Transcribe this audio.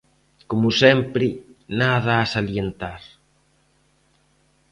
Como sempre, nada a salientar.